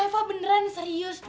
aduh revah beneran serius deh